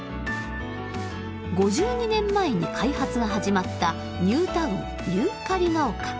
５２年前に開発が始まったニュータウンユーカリが丘。